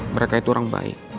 mereka itu orang baik